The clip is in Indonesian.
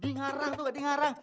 dengarang tuh gak dengarang